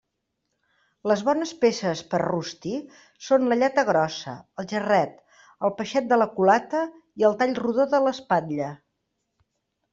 Les bones peces per a rostir són la llata grossa, el jarret, el peixet de la culata i el tall rodó de l'espatlla.